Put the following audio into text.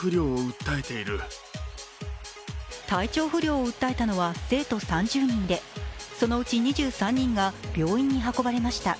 体調不良を訴えたのは生徒３０人でそのうち２３人が病院に運ばれました。